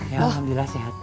ya alhamdulillah sehat